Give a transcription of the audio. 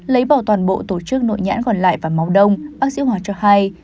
lấy bỏ toàn bộ tổ chức nội nhãn còn lại và màu đông bác sĩ hòa cho hay